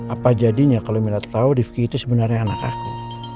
apa jadinya kalau mila tahu rifki itu sebenarnya anak aku